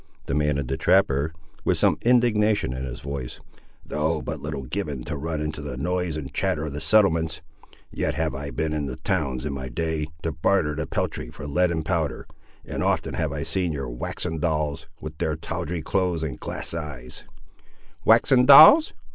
demanded the trapper, with some indignation in his voice; "though but little given to run into the noise and chatter of the settlements, yet have I been into the towns in my day, to barter the peltry for lead and powder, and often have I seen your waxen dolls, with their tawdry clothes and glass eyes—" "Waxen dolls!"